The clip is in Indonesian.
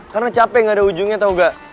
karena capek gak ada ujungnya tau gak